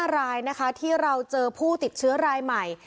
๕รายนะคะที่เราเจอผู้ติดเชื้อรายใหม่